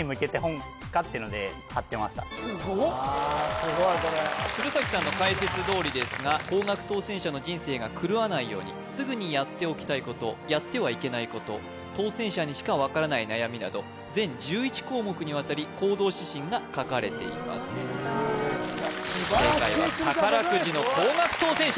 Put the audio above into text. すごいこれ鶴崎さんの解説どおりですが高額当選者の人生が狂わないようにすぐにやっておきたいことやってはいけないこと当選者にしか分からない悩みなど全１１項目にわたり行動指針が書かれていますへえ素晴らしい鶴ちゃん宝くじの高額当選者